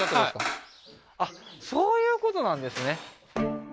はいそういうことなんですね